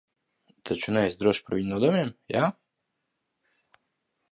Taču neesi drošs par viņu nodomiem, jā?